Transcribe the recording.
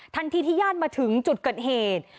ที่ญาติมาถึงจุดเกิดเหตุ